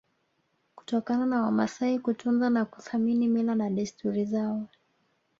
kutokana na Wamasai kutunza na kuthamini mila na desturi zao